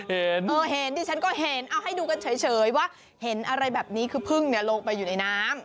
เออเห็นดิฉันก็เห็นเอาให้ดูกันเฉยว่าเห็นอะไรแบบนี้คือพึ่งลงไปอยู่ในน้ำ